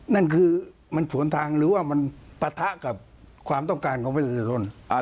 นั่นคือมันสวนทางหรือว่ามันปะทะกับความต้องการของประชาชน